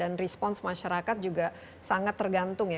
dan respons masyarakat juga sangat tergantung ya